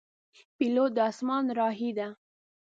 پیلوټ د اسمان راهی دی.